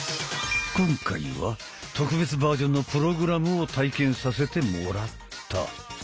今回は特別バージョンのプログラムを体験させてもらった。